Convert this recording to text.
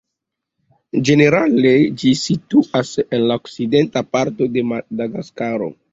Ĝenerale, ĝi situas en la okcidenta parto de Madagaskaro.